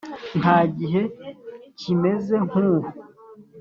nta gihe kimeze nkubu